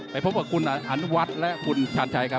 ไปพบกับคุณอันวัดและคุณชาญชัยครับ